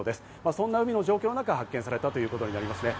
そんな海の状況の中、発見されたということです。